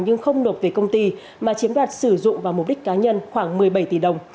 nhưng không nộp về công ty mà chiếm đoạt sử dụng vào mục đích cá nhân khoảng một mươi bảy tỷ đồng